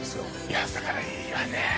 いやだからいいわね